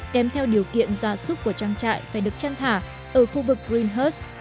kém theo điều kiện gia súc của trang trại phải được chăn thả ở khu vực greenhurst